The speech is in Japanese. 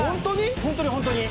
本当に、本当に。